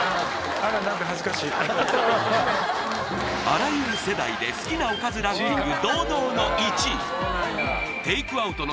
あらゆる世代で好きなおかずランキング